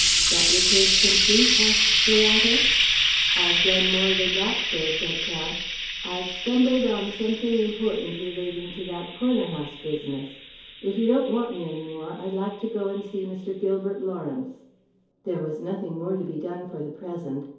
"Got your case complete?" asked the latter. "I've done more than that, sir," said Prout. "I've stumbled on something important relating to that Corner House business. And if you don't want me any more, I'd like to go and see Mr. Gilbert Lawrence." There was nothing more to be done for the present.